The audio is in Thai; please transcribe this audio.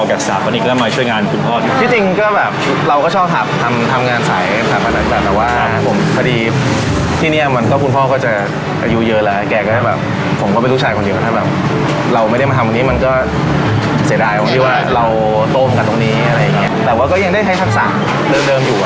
โตมกับตรงนี้อะไรอย่างเงี้ยแต่ว่าก็ยังได้ให้ทักษะเดิมเดิมอยู่อ่ะ